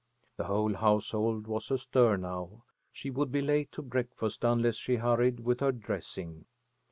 The whole household was astir now. She would be late to breakfast unless she hurried with her dressing.